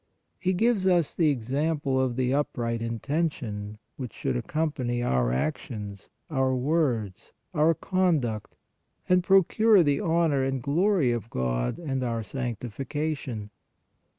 He gives us the example of the upright intention which should accompany our ac tions, our words, our conduct and procure the honor and glory of God and our sanctification.